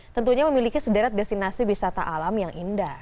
tentunya memiliki sederet destinasi wisata alam yang indah